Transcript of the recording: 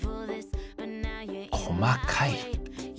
細かい。